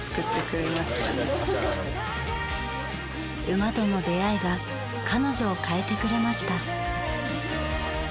馬との出会いが彼女を変えてくれました。